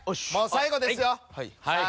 最後です。